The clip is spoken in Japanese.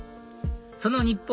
その日本